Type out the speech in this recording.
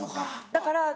だから私